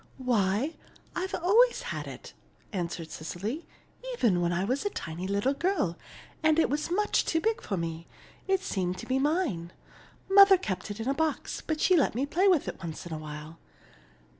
"Why, I always had it," answered Cecily. "Even when I was a tiny little girl and it was much too big for me, it seemed to be mine. Mother kept it in a box, but she let me play with it once in a while.